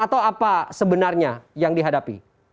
atau apa sebenarnya yang dihadapi